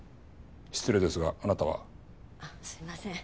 失礼ですがあなたは？あっすいません。